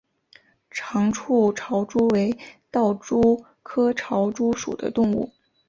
长触潮蛛为盗蛛科潮蛛属的动物。